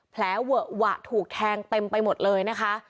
แผลเวอะหวะถูกแทงเต็มไปหมดเลยนะคะ